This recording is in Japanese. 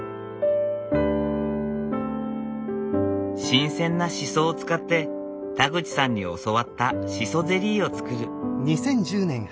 新鮮なシソを使って田口さんに教わったシソゼリーを作る。